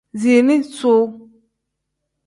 Ziini suu.